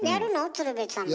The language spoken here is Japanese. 鶴瓶さんも。